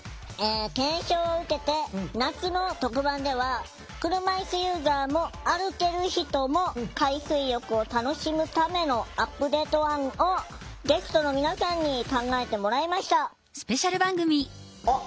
検証を受けて夏の特番では車いすユーザーも歩ける人も海水浴を楽しむためのアップデート案をゲストの皆さんに考えてもらいました。